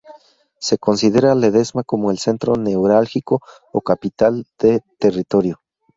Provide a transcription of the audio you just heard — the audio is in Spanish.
Se considera a Ledesma como el centro neurálgico o capital del territorio.